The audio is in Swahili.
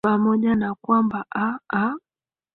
pamoja na kwamba aa